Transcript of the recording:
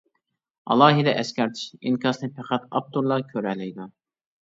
ئالاھىدە ئەسكەرتىش :ئىنكاسنى پەقەت ئاپتورلا كۆرەلەيدۇ!